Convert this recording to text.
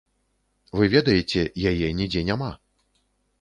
Вы ведаеце, яе нідзе няма.